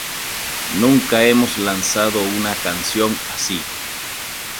Nunca hemos lanzado una canción así.